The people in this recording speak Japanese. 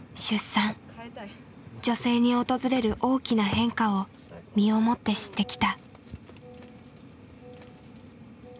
女性に訪れる大きな変化を身をもって知ってきた。